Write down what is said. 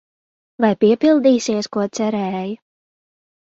Vai piepildīsies, ko cerēja?